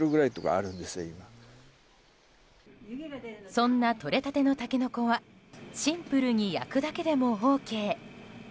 そんなとれたてのタケノコはシンプルに焼くだけでもＯＫ。